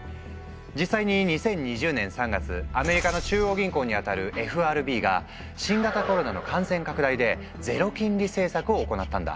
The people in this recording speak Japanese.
実際に２０２０年３月アメリカの中央銀行にあたるＦＲＢが新型コロナの感染拡大でゼロ金利政策を行ったんだ。